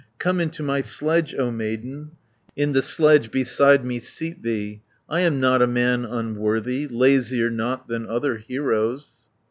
Come into my sledge, O maiden, In the sledge beside me seat thee. I am not a man unworthy, Lazier not than other heroes."